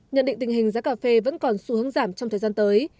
nhận định tình hình giá cà phê vẫn còn xu hướng giảm trong thời gian tới